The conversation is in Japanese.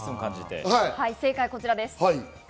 正解はこちらです。